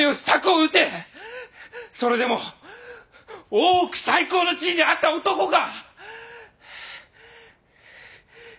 それでも大奥最高の地位にあった男か！